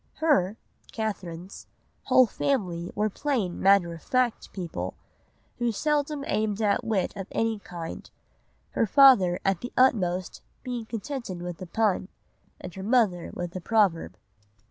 "Her [Catherine's] whole family were plain matter of fact people, who seldom aimed at wit of any kind; her father at the utmost being contented with a pun, and her mother with a proverb."